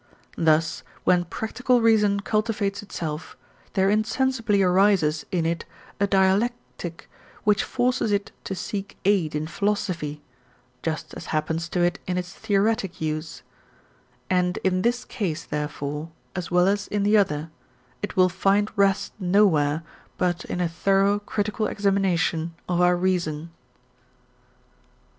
Thus, when practical reason cultivates itself, there insensibly arises in it a dialetic which forces it to seek aid in philosophy, just as happens to it in its theoretic use; and in this case, therefore, as well as in the other, it will find rest nowhere but in a thorough critical examination of our reason.